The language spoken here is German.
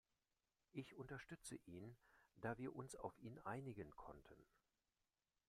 Ich unterstütze ihn, da wir uns auf ihn einigen konnten.